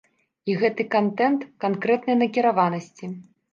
І гэты кантэнт канкрэтнай накіраванасці.